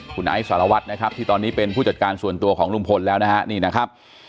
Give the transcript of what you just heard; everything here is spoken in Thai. คุณไอศาลวัตรนะครับที่ตอนนี้เป็นผู้จัดการส่วนตัวของลุงพลแล้วนะฮะ